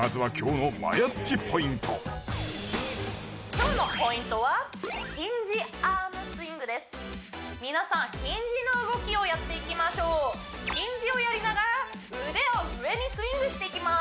今日のポイントはヒンジアームスイングです皆さんヒンジの動きをやっていきましょうヒンジをやりながら腕を上にスイングしていきます